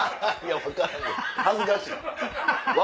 恥ずかしいわ！